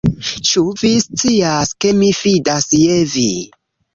Ĉu vi scias ke mi fidas je vi?